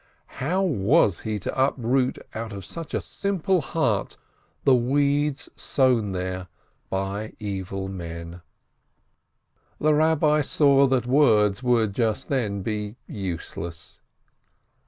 How was he to uproot out of such a simple heart the weeds sown there by evil men? 586 A FOLK TALE The Eabbi saw that words would just then be useless.